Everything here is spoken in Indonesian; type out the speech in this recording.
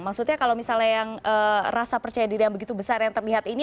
maksudnya kalau misalnya yang rasa percaya diri yang begitu besar yang terlihat ini